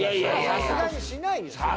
さすがにしないよそれは。